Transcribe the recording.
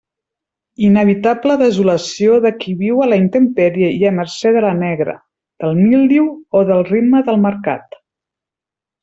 Inevitable desolació del qui viu a la intempèrie i a mercé de la negra, del míldiu o del ritme del mercat.